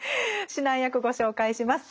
指南役ご紹介します。